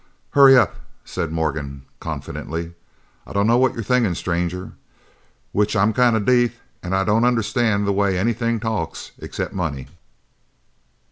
"Hurry up," said Morgan confidently. "I dunno what you're thinkin', stranger. Which I'm kind of deaf an' I don't understand the way anything talks except money."